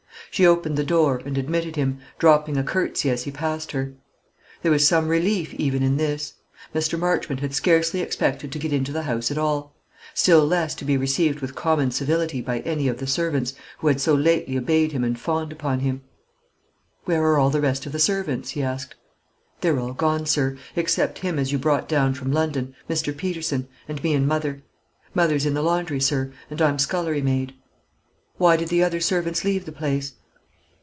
She opened the door, and admitted him, dropping a curtsey as he passed her. There was some relief even in this. Mr. Marchmont had scarcely expected to get into the house at all; still less to be received with common civility by any of the servants, who had so lately obeyed him and fawned upon him. "Where are all the rest of the servants?" he asked. "They're all gone, sir; except him as you brought down from London, Mr. Peterson, and me and mother. Mother's in the laundry, sir; and I'm scullerymaid." "Why did the other servants leave the place?"